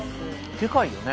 でかいよね。